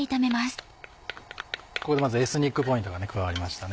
ここでまずエスニックっぽいのが加わりましたね。